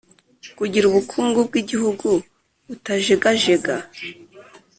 kugira ubukungu bw’igihugu butajegajega